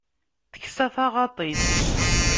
Teksa taɣaṭ-is.